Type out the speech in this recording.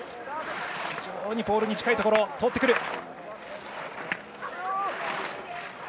非常にポールに近いところを通ってくる。